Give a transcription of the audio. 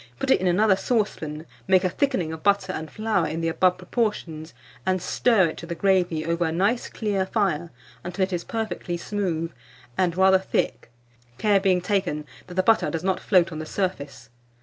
Then strain this gravy, put it in another saucepan, make a thickening of butter and flour in the above proportions, and stir it to the gravy over a nice clear fire, until it is perfectly smooth and rather thick, care being taken that the butter does not float on the surface.